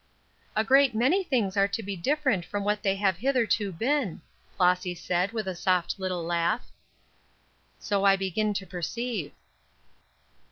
"A great many things are to be different from what they have hitherto been," Flossy said, with a soft little laugh. "So I begin to perceive."